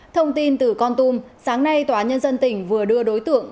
thông tin từ con tum sáng nay tòa nhân dân tỉnh vừa đưa đối tượng